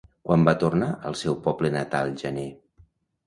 Quan va tornar al seu poble natal Janer?